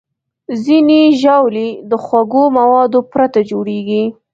ځینې ژاولې د خوږو موادو پرته جوړېږي.